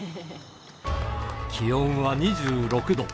気温は２６度。